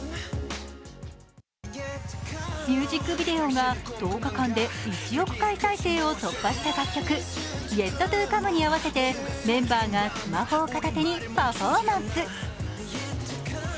ミュージックビデオが１０日間で１億回再生を突破した楽曲、「ＹｅｔＴｏＣｏｍｅ」に合わせてメンバーがスマホを片手にパフォーマンス。